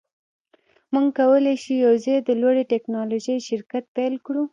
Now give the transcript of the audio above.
موږ کولی شو یوځای د لوړې ټیکنالوژۍ شرکت پیل کړو